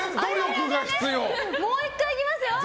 もう１回いきますよ。